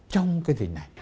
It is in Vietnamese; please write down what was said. trong cái dịch này